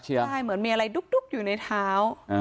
ใช่เหมือนมีอะไรดุ๊บอยู่ในเท้า